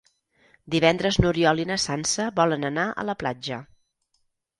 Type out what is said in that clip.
Divendres n'Oriol i na Sança volen anar a la platja.